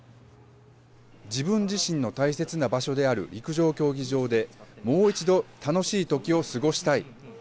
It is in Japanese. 自分自身の大切な場所である陸上競技場で、もう一度、楽しい時を過ごしたい。